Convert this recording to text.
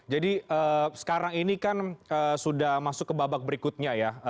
jadi sekarang ini kan sudah masuk ke babak berikutnya ya